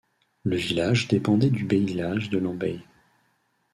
Le village dépendait du bailliage de Lembeye.